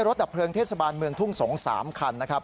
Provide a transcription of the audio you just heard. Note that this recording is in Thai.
ดับเพลิงเทศบาลเมืองทุ่งสงศ์๓คันนะครับ